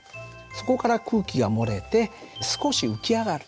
そこから空気が漏れて少し浮き上がる。